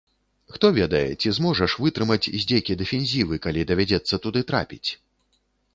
Хто ведае, ці зможаш вытрымаць здзекі дэфензівы, калі давядзецца туды трапіць?